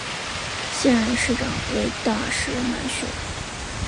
现任市长为大石满雄。